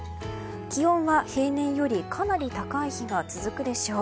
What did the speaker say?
気温は、平年よりかなり高い日が続くでしょう。